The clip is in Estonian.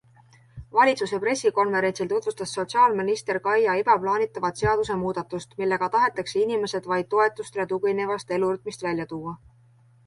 Valitsuse pressikonverentsil tutvustas sotsiaalkaitseminister Kaia Iva plaanitavat seaduse muudatust, millega tahetakse inimesed vaid toetustele tuginevast elurütmist välja tuua.